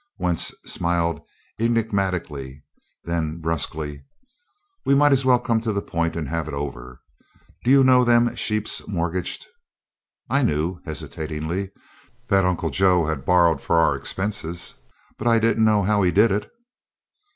Wentz smiled enigmatically. Then, brusquely: "We might as well come to the point and have it over do you know them sheep's mortgaged?" "I knew," hesitatingly, "that Uncle Joe had borrowed for our expenses, but I didn't know how he did it."